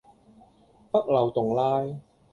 北漏洞拉